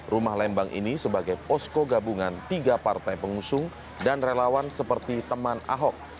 rumah lembang ini sebagai posko gabungan tiga partai pengusung dan relawan seperti teman ahok